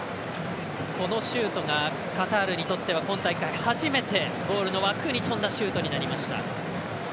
このシュートがカタールにとって今大会初めて、ゴールの枠に飛んだシュートになりました。